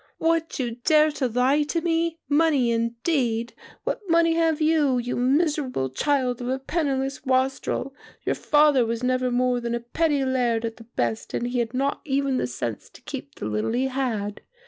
'What, you dare to lie to me, money indeed, what money have you, you miserable child of a penniless wastrel? Your father was never more than a petty laird at the best and he had not even the sense to keep the little he had.